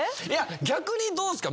逆にどうですか？